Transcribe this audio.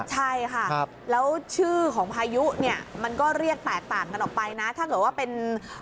ใช่ค่ะแล้วชื่อของพายุเนี่ยมันก็เรียกแตกต่างกันออกไปนะถ้าเกิดว่าเป็น